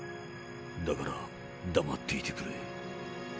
だからだまっていてくれ。